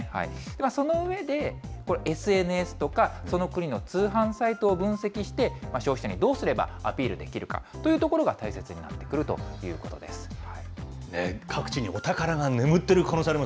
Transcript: その上で、ＳＮＳとか、その国の通販サイトを分析して、消費者にどうすればアピールできるかというところが、大切になってくると各地にお宝が眠っている可能